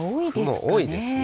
雲多いですね。